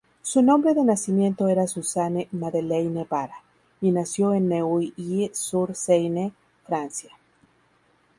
Su nombre de nacimiento era Suzanne Madeleine Bara, y nació en Neuilly-sur-Seine, Francia.